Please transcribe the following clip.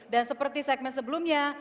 dan seperti segmen sebelumnya